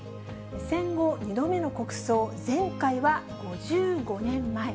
戦後２度目の国葬、前回は５５年前。